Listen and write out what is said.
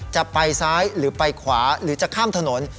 จะไปซ้ายหรือไปขวาหรือจะข้ามถนน